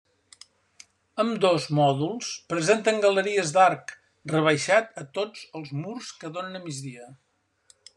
Ambdós mòduls presenten galeries d'arc rebaixat a tots els murs que donen a migdia.